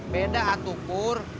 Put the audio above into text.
beda atuh pur